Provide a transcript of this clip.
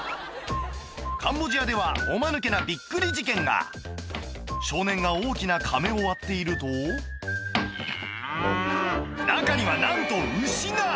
カンボジアではおマヌケなびっくり事件が少年が大きなかめを割っていると中にはなんと牛が！